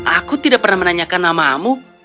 aku tidak pernah menanyakan namamu